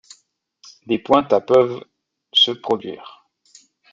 Des pointes à peuvent se produire.